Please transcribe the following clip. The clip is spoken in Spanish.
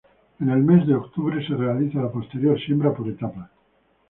En el mes de octubre se realiza la posterior siembra por etapas.